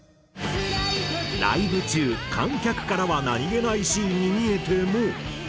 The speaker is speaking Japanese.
ライブ中観客からは何げないシーンに見えても。